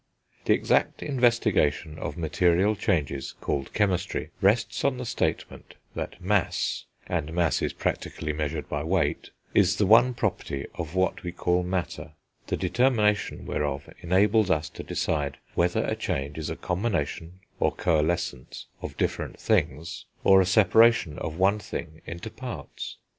The exact investigation of material changes called chemistry rests on the statement that mass, and mass is practically measured by weight, is the one property of what we call matter, the determination whereof enables us to decide whether a change is a combination, or coalescence, of different things, or a separation of one thing into parts.